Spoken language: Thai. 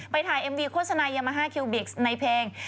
ถ่ายเอ็มวีโฆษณายามาฮาคิวบิกซ์ในเพลง